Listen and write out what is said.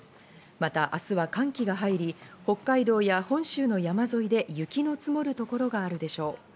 また明日は寒気が入り、北海道や本州の山沿いで雪の積もる所があるでしょう。